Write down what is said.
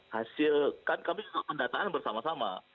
hasilkan kami pendataan bersama sama